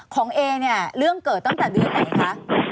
เอเนี่ยเรื่องเกิดตั้งแต่เดือนไหนคะ